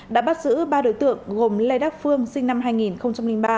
đã bắt giữ ba đối tượng gồm lê đắc phương sinh năm hai nghìn ba